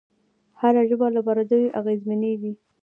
هره ژبه له پردیو اغېزمنېږي.